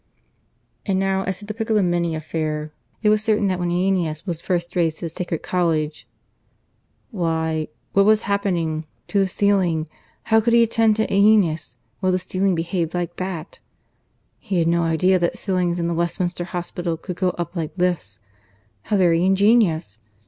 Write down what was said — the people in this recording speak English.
... And now as to the Piccolomini affair. It was certain that when Aeneas was first raised to the Sacred College. ... Why ... what was happening to the ceiling? How could he attend to Aeneas while the ceiling behaved like that? He had no idea that ceilings in the Westminster Hospital could go up like lifts. How very ingenious!